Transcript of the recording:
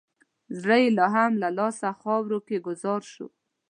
زړه یې هم له لاسه خاورو کې ګوزار شو.